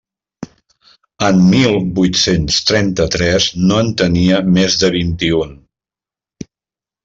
En mil vuit-cents trenta-tres no en tenia més de vint-i-un.